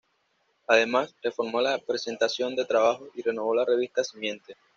Además, reformó la presentación de trabajos y renovó la revista Simiente.